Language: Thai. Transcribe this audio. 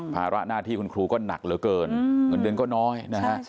ภาระหน้าที่คุณครูก็หนักเหลือเกินเงินเดือนก็น้อยนะฮะ